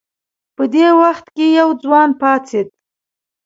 په دې وخت کې یو ځوان پاڅېد.